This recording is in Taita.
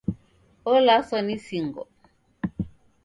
Olaswa ni singo.